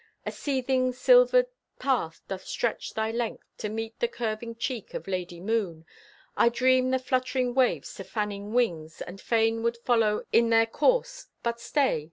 A seething silvered path doth stretch thy length, To meet the curving cheek of Lady Moon. I dream the flutt'ring waves to fanning wings And fain would follow in their course. But stay!